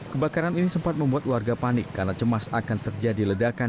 kebakaran ini sempat membuat warga panik karena cemas akan terjadi ledakan